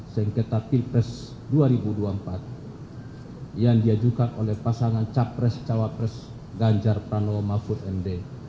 sengketa pilpres dua ribu dua puluh empat yang diajukan oleh pasangan capres cawapres ganjar pranowo mahfud md